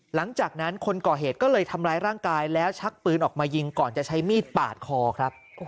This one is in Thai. หลังจากนั้นคนก่อเหตุก็เลยทำร้ายร่างกายแล้วชักปืนออกมายิงก่อนจะใช้มีดปาดคอครับ